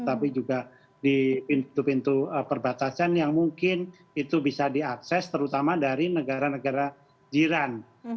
tapi juga di pintu pintu perbatasan yang mungkin itu bisa diakses terutama dari negara negara jiran